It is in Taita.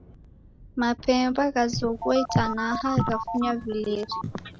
Mapemba ghazoghua itanaha, ghafunya vileri